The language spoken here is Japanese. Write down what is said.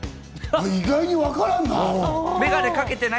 意外にわからんな。